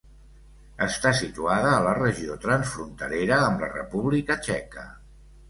Està situada a la regió transfronterera amb la República Txeca.